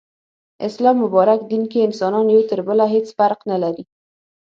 اسلام مبارک دين کي انسانان يو تر بله هيڅ فرق نلري